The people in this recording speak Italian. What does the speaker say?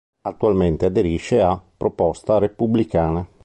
Attualmente aderisce a Proposta Repubblicana.